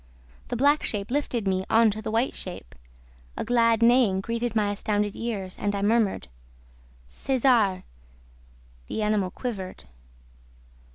The black shape lifted me on to the white shape, a glad neighing greeted my astounded ears and I murmured, 'Cesar!' The animal quivered.